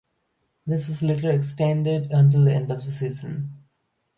This was later extended until the end of the season.